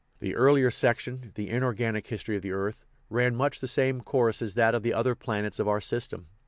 The earlier section, the inor ganic history of the earth, ran much the same course as that of the other planets of our system.